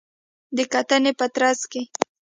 د کتنې په ترڅ کې